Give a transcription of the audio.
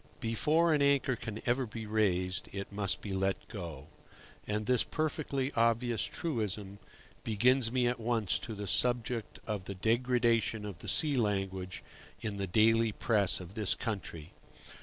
BEFORE an anchor can ever be raised, it must be let go; and this perfectly obvious truism brings me at once to the subject of the degradation of the sea language in the daily press of this country.